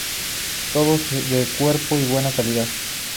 Todos de cuero y buena calidad.